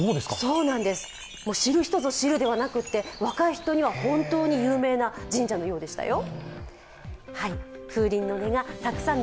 知る人ぞ知るではなくて、若い人は本当に有名な神社のようでしたよ。